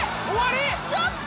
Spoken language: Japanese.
ちょっと！